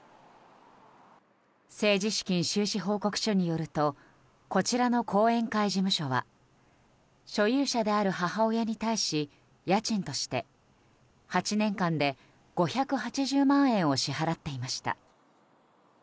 政治資金収支報告書によるとこちらの後援会事務所は所有者である母親に対し家賃として８年間で５８０万円を支払っていました。